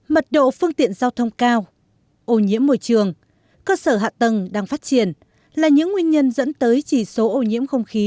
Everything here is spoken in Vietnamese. mật độ phương tiện giao thông cao ô nhiễm môi trường cơ sở hạ tầng đang phát triển là những nguyên nhân dẫn tới chỉ số ô nhiễm không khí